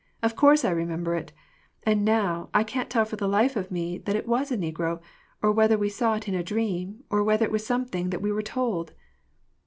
" Of course I remember it ! And now I can't tell for the life of me that it was a negro, or whether we saw it in a dream, or whether it was something that we were told